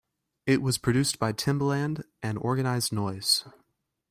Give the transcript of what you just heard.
It was produced by Timbaland and Organized Noize.